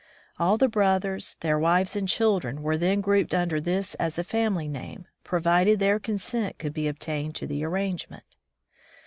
All the brothers, their wives and children were then grouped under this as a family name, provided their consent could be ob tained to the arrangement.